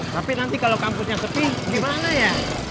tapi nanti kalau kampusnya sepi gimana ya